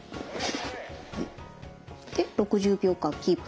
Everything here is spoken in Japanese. で６０秒間キープ。